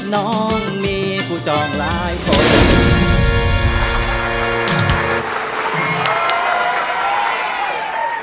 น้องมีผู้จองหลายคน